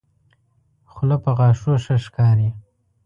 خله په غاښو ښه ښکاري.